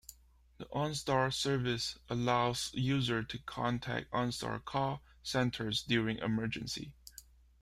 The OnStar service allows users to contact OnStar call centers during an emergency.